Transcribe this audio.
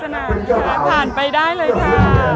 เป็นความสนุกสนานผ่านไปได้เลยค่ะ